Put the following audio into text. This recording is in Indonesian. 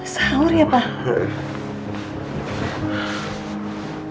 sahur ya pak